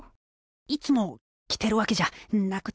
いつも着てるわけじゃなくてですね。